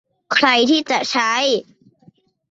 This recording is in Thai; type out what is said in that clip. ใครที่ใช้